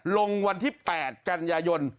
วันที่๘กันยายน